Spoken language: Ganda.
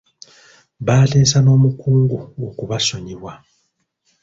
Baateesa n'omukungu okubasonyiwa.